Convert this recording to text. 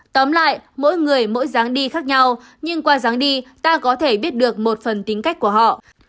tóm lại mỗi người mỗi dáng đi khác nhau nhưng qua dáng đi ta có thể biết được một phần tính cách của họ